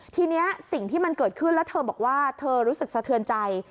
ทีนี้สิ่งที่มันเกิดขึ้นแล้วเธอบอกว่าเธอรู้สึกสะเทือนใจ